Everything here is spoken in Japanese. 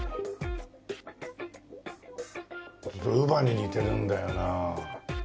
ウバに似てるんだよな。